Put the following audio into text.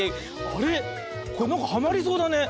これなんかはまりそうだね。